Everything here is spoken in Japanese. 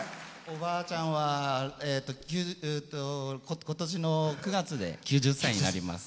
おばあちゃんは今年の９月で９０歳になります。